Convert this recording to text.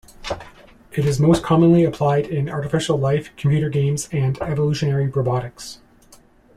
It is most commonly applied in artificial life, computer games, and evolutionary robotics.